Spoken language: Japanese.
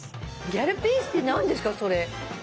ギャルピースって何ですかそれ？